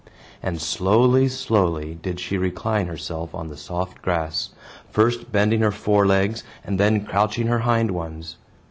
And slowly, slowly did she recline herself on the soft grass, first bending her forelegs, and then crouching her hind ones.